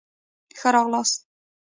ښه راغلاست.